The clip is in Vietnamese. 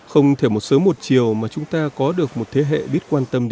không thể một sớm một chiều mà chúng ta có được một thế hệ biết quan tâm đến sách